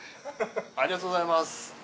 ありがとうございます。